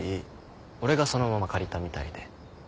俺がそのまま借りたみたいで。